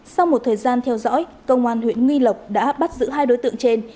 sau một thời gian theo dõi công an huyện nghi lộc đã bắt giữ hai đối tượng trên